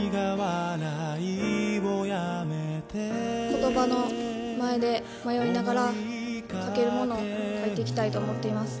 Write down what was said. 言葉の前で迷いながら書ける物を書いていきたいと思っています。